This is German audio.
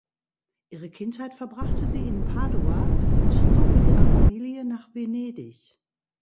Ihre Kindheit verbrachte sie in Padua und zog mit ihrer Familie nach Venedig.